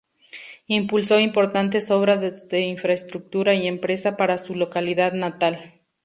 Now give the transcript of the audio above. Impulsó importantes obras de infraestructura y empresa para su localidad natal.